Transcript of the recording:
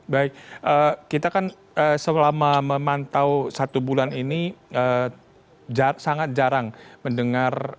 baik kita kan selama memantau satu bulan ini sangat jarang mendengar